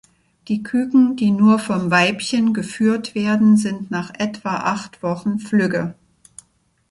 Die Küken, die nur vom Weibchen geführt werden, sind nach etwa acht Wochen flügge.